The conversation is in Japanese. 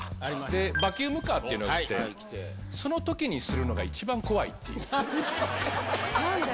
バキュームカーというのが来て、そのときにするのが一番怖いってなんで？